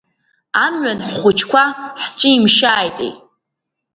Амҩан ҳхәыҷқәа ҳцәимшьааитеи.